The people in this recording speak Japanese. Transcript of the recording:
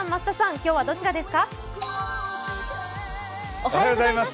今日はどちらですか？